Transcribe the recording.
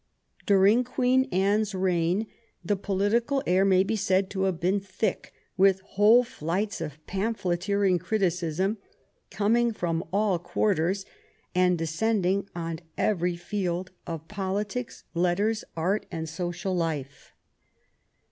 During Queen Anne's reign, the political air may be said to have been thick with whole flights of pamphleteering criticism coming from all quarters and descending on every field of politics, letters, art, and social life.